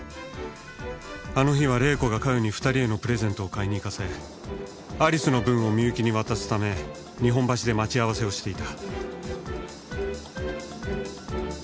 あの日は玲子が加代に２人へのプレゼントを買いに行かせアリスの分を美由紀に渡すため日本橋で待ち合わせをしていた。